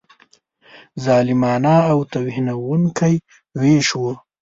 ظالمانه او توهینونکی وېش وو.